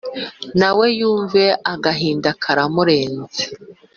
nawe yumva agahinda karamurenze,